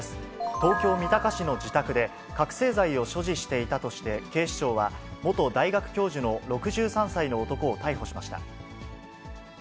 東京・三鷹市の自宅で、覚醒剤を所持していたとして、警視庁は、元大学教授の６３歳の男を逮捕しました。